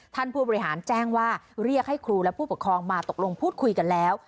ท่านผู้บริหารแจ้งว่าเรียกให้ครูและผู้ปกครองมาตกลงพูดคุยกันแล้ว